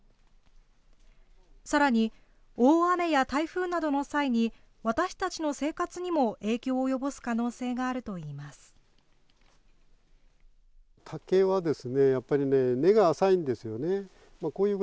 さらに、大雨や台風などの際に、私たちの生活にも影響を及ぼす可能性があるといいます。